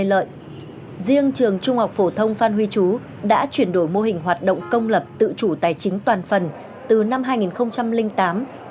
trường trung học phổ thông phan huy chú đã chuyển đổi mô hình hoạt động công lập tự chủ tài chính toàn phần từ năm hai nghìn tám